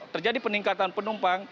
terjadi peningkatan penumpang